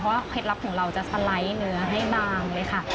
เพราะว่าเหตุลักษณ์ของเราจะสไลด์เนื้อให้บางเลยค่ะ